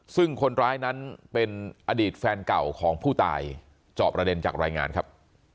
ซึ่งคนร้ายนั้นเป็นอดีตแฟนเก่าของผู้ตายจอบประเด็นจากรายงานครับ